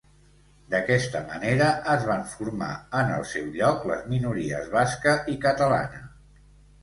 D'aquesta manera, es van formar en el seu lloc les minories basca i catalana.